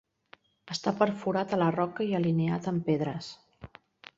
Està perforat a la roca i alineat amb pedres.